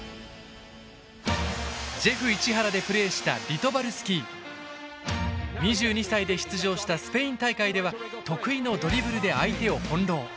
ジェフ市原でプレーした２２歳で出場したスペイン大会では得意のドリブルで相手を翻弄。